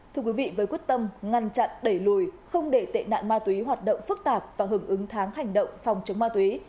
thưa quý vị với quyết tâm ngăn chặn đẩy lùi không để tệ nạn ma túy hoạt động phức tạp và hưởng ứng tháng hành động phòng chống ma túy